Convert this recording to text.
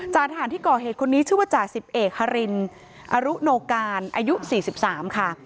ทหารที่ก่อเหตุคนนี้ชื่อว่าจ่าสิบเอกฮารินอรุโนการอายุ๔๓ค่ะ